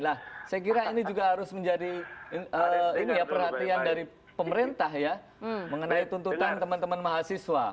nah saya kira ini juga harus menjadi perhatian dari pemerintah ya mengenai tuntutan teman teman mahasiswa